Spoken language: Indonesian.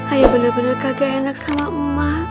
ayah bener bener kagak enak sama emak